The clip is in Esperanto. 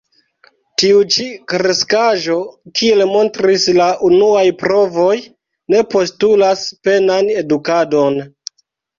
Tiu ĉi kreskaĵo, kiel montris la unuaj provoj, ne postulas penan edukadon.